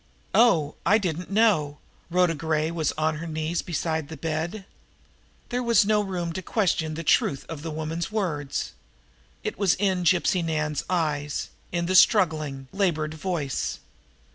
"Oh, I didn't know!" Rhoda Gray was on her knees beside the bed. There was no room to question the truth of the woman's words, it was in Gypsy Nan's eyes, in the struggling, labored voice.